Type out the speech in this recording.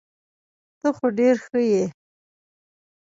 ته خو ډير ښه يي .